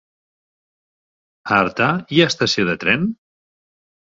A Artà hi ha estació de tren?